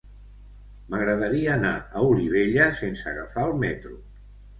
M'agradaria anar a Olivella sense agafar el metro.